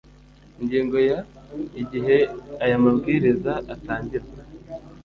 ingingo ya igihe aya mabwiriza atangirwa